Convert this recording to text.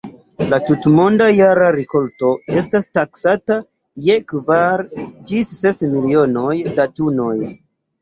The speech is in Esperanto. La tutmonda jara rikolto estas taksata je kvar ĝis ses milionoj da tunoj.